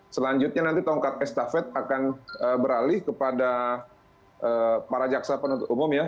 selanjutnya nanti tongkat estafet akan beralih kepada para jaksa penuntut umum ya